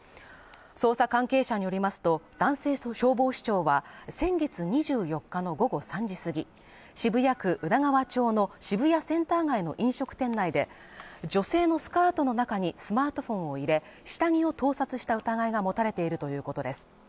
捜査関係者によりますと、男性消防士長は先月２４日の午後３時すぎ、渋谷区宇田川町の渋谷センター街の飲食店内で女性のスカートの中にスマートフォンを入れ、下着を盗撮した疑いが持たれているということです。